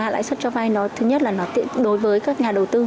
lãi suất cho vay thứ nhất là đối với các nhà đầu tư